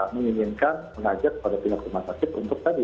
menginginkan mengajak kepada pihak rumah sakit untuk tadi